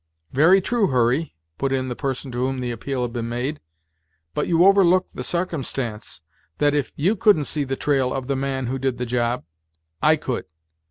"Very true, Hurry," put in the person to whom the appeal had been made, "but you overlook the sarcumstance that if you couldn't see the trail of the man who did the job, I could.